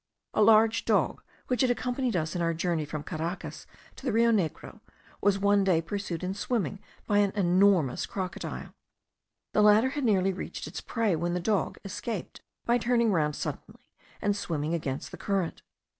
A large dog, which had accompanied us in our journey from Caracas to the Rio Negro, was one day pursued in swimming by an enormous crocodile. The latter had nearly reached its prey, when the dog escaped by turning round suddenly and swimming against the current.